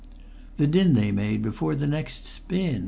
The din they made before the next spin!